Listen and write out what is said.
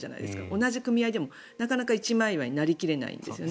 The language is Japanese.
同じ組合でもなかなか一枚岩になり切れないんですよね。